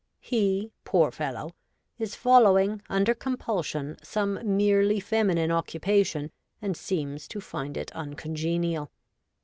He, poor fellow, is following, under compulsion, some merely feminine occupation, and seems to find it uncon genial.